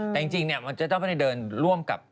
แต่จริงเนี่ยมันจะต้องไปเดินร่วมกับ